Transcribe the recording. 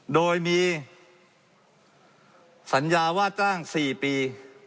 โดยมีสัญญาว่าจ้าง๔ปี